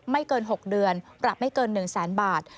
ไม่เกิน๖เดือนปรับไม่เกิน๑แสนบาท